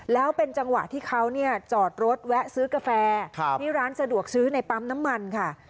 แล้วเป็นจังหวะที่เขาจอดรถแวะซื้อกาแฟที่ร้านสะดวกซื้อในปั๊มน้ำมันค่ะ